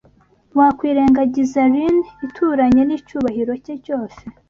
Wakwirengagiza Rhine ituranye, n'icyubahiro cye cyose